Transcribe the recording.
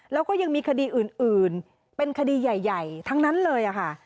แล้วก็ยังมีคดีอื่นเป็นคดีใหญ่ทั้งนั้นเลยค่ะ